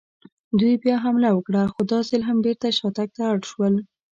دوی بیا حمله وکړه، خو دا ځل هم بېرته شاتګ ته اړ شول.